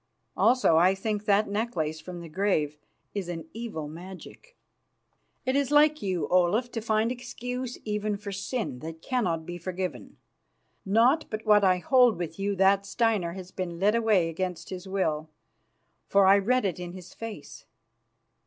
Also I think that necklace from the grave is an evil magic." "It is like you, Olaf, to find excuse even for sin that cannot be forgiven. Not but what I hold with you that Steinar has been led away against his will, for I read it in his face.